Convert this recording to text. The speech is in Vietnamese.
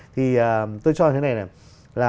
thì tôi cho thế này là